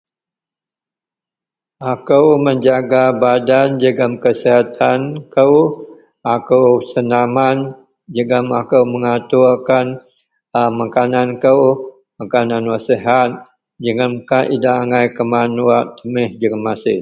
Akou menjaga badan jegem kesihatan kou, akou senaman jegem akou mengaturkan a makanan kou, makanan wak sihat jegem kak idak angai keman wak temih jegem masin,